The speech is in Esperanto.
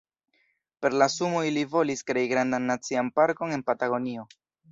Per la sumo ili volis krei grandan nacian parkon en Patagonio.